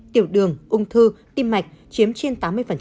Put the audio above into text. tiểu đường ung thư tim mạch chiếm trên tám mươi